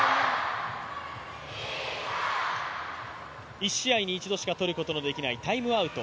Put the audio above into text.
１試合に一度しか取ることができないタイムアウト。